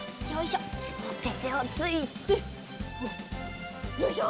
こうやっててをついてよいしょ。